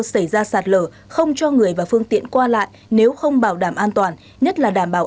xảy ra sạt lở không cho người và phương tiện qua lại nếu không bảo đảm an toàn nhất là đảm bảo